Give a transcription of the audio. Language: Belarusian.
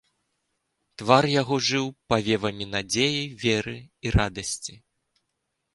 Твар яго жыў павевамі надзеі, веры і радасці.